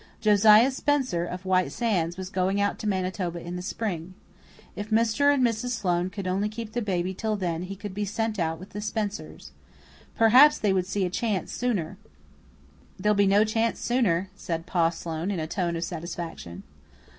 Josiah Spencer, of White Sands, was going out to Manitoba in the spring. If Mr. and Mrs. Sloane could only keep the baby till then he could be sent out with the Spencers. Perhaps they would see a chance sooner. "There'll be no chance sooner," said Pa Sloane in a tone of satisfaction.